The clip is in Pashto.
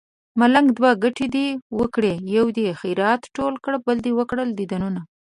ملنګه دوه ګټې دې وکړې يو دې خير ټول کړو بل دې وکړل ديدنونه